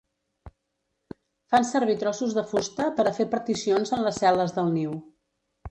Fan servir trossos de fusta per a fer particions en les cel·les del niu.